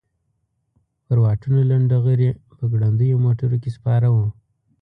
پر واټونو لنډه غري په ګړندیو موټرونو کې سپاره وو.